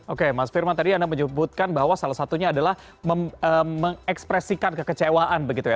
oke mas firman tadi anda menyebutkan bahwa salah satunya adalah mengekspresikan kekecewaan begitu ya